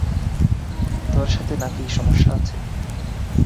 তোর সাথে না-কি সমস্যা আছে?